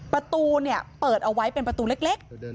ประตูเปิดเอาไว้เป็นประตูเล็ก